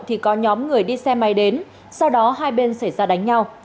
thì có nhóm người đi xe máy đến sau đó hai bên xảy ra đánh nhau